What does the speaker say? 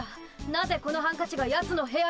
なぜこのハンカチがやつの部屋に。